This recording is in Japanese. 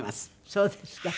そうですか。